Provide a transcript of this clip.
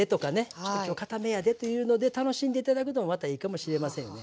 ちょっと今日かためやでっていうので楽しんで頂くのもまたいいかもしれませんよね。